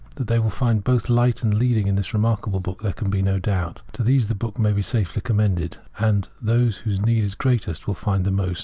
That they will find both Hght and leading in this remarkable book there can be no doubt. To these the book may be safely commended, and those whose need is greatest will find the most.